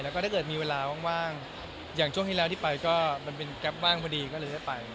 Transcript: แล้วก็ถ้าเกิดมีเวลาว่างอย่างช่วงที่แล้วที่ไปก็มันเป็นแก๊ปว่างพอดีก็เลยได้ไป